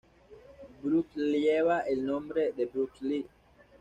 Bruce lleva el nombre de Bruce Lee.